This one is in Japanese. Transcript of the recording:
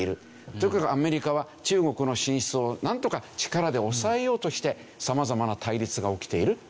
それこそアメリカは中国の進出をなんとか力で抑えようとして様々な対立が起きているという事ですよね。